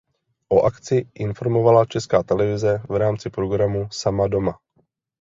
O akci informovala Česká televize v rámci programu "Sama doma".